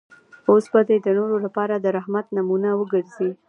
اوس به دی د نورو لپاره د رحمت نمونه وګرځي.